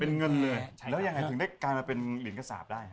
เป็นเงินเลยแล้วยังไงถึงได้กลายมาเป็นเหรียญกระสาปได้